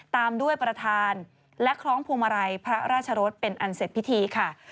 ตามด้วยประธานและคล้องพวงมาลัยพระราชรสเป็นอันเสร็จพิธีค่ะ